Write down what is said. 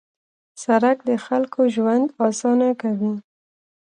سړک د خلکو ژوند اسانه کوي.